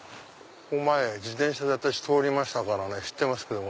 ここ前自転車で通りましたから知ってますけども。